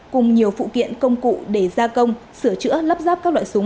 cùng nhiều phụ kiện công cụ để gia công sửa chữa lắp ráp các loại súng